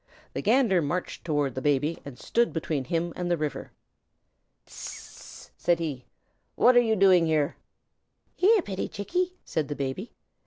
The Gander marched toward the Baby and stood between him and the river. "S s s s s!" said he. "What are you doing here?" "Here, pitty Chickie!" said the Baby.